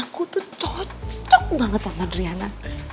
aku tuh cocok banget sama driana